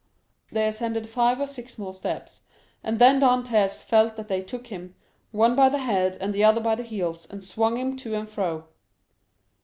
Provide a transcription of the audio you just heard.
They ascended five or six more steps, and then Dantès felt that they took him, one by the head and the other by the heels, and swung him to and fro.